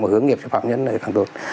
mà hướng nghiệp cho phạm nhân là phải tổ chức